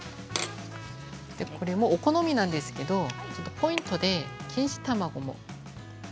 お好みなんですけれどポイントで錦糸卵です。